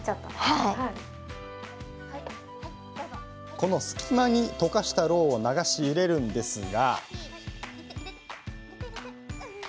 この隙間に溶かしたろうを流し入れるんですが。